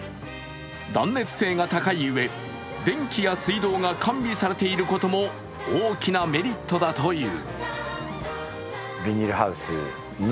断熱性が高いうえ、電気や水道が完備されていることも大きなメリットだという。